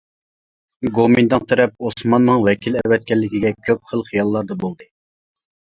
گومىنداڭ تەرەپ ئوسماننىڭ ۋەكىل ئەۋەتكەنلىكىگە كۆپ خىل خىياللاردا بولدى.